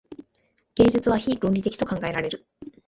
芸術は非論理的と考えられる。